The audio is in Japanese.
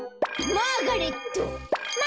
マーガレット。